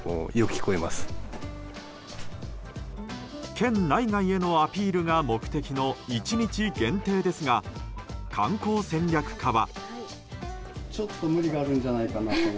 県内外へのアピールが目的の１日限定ですが観光戦略課は。